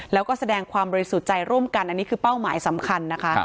แล้วก็แสดงความบริสุทธิ์ใจร่วมกันอันนี้คือเป้าหมายสำคัญนะคะ